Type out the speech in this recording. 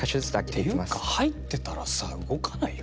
ていうか入ってたらさ動かないよ